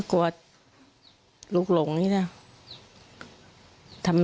ก็กลัวหลุกหล่งนี่แน็ต